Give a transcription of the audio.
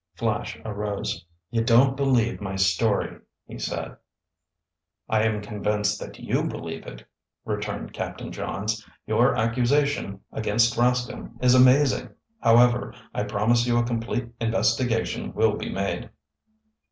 Flash arose. "You don't believe my story," he said. "I am convinced that you believe it," returned Captain Johns. "Your accusation against Rascomb is amazing. However, I promise you a complete investigation will be made."